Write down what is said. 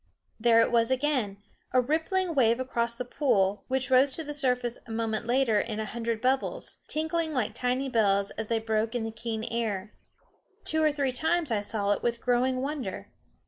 There it was again, a rippling wave across the pool, which rose to the surface a moment later in a hundred bubbles, tinkling like tiny bells as they broke in the keen air. Two or three times I saw it with growing wonder.